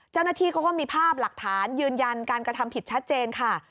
เจ้าหน้าที่เขาก็มีภาพหลักฐานยืนยันการกระทำผิดชัดเจนค่ะ